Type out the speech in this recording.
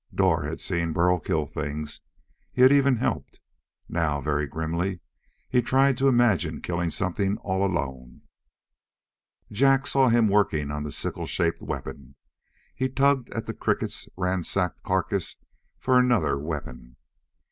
Dor had seen Burl kill things. He had even helped. Now, very grimly, he tried to imagine killing something all alone. Jak saw him working on the sickle shaped weapon. He tugged at the cricket's ransacked carcass for another weapon.